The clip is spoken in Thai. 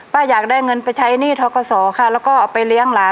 อยากได้เงินไปใช้หนี้ทกศค่ะแล้วก็เอาไปเลี้ยงหลาน